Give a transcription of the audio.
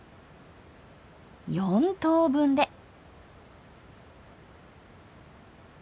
４等分で！